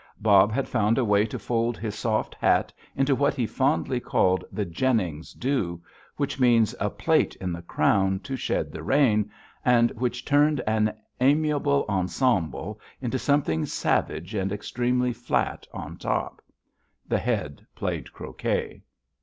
Bob had found a way to fold his soft hat into what he fondly called the "Jennings do," which means a plait in the crown to shed the rain, and which turned an amiable ensemble into something savage and extremely flat on top. The Head played croquet.